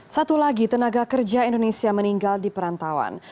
satu lagi tenaga kerja indonesia meninggal di perantauan